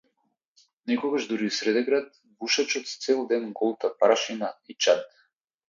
Некогаш дури и среде град бушачот цел ден голта прашина и чад.